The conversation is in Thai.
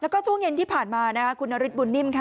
แล้วก็ช่วงเย็นที่ผ่านมาคุณนฤทธบุญนิ่มค่ะ